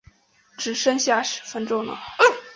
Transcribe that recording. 只剩下十分钟了